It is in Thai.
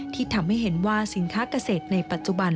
ที่ทำให้เห็นว่าสินค้าเกษตรในปัจจุบัน